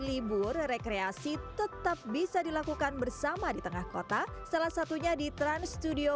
libur rekreasi tetap bisa dilakukan bersama di tengah kota salah satunya di trans studio